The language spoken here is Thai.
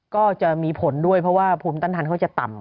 ก็จะมีผลด้วยเพราะว่าภูมิต้านทานเขาจะต่ำ